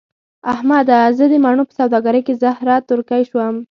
احمده! زه د مڼو په سوداګرۍ کې زهره ترکی شوم.